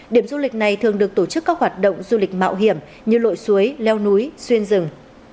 điểm du lịch này thường được tổ chức các hoạt động du lịch mạo hiểm như lội suối leo núi xuyên rừng